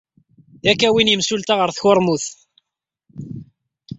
Ad k-awyen yemsulta ɣer tkurmut.